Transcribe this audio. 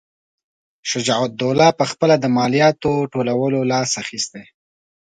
شجاع الدوله پخپله له مالیاتو ټولولو لاس اخیستی.